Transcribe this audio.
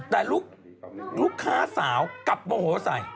แต่ลูกค้าสาวกลับโมโหใส่